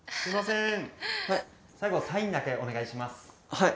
はい。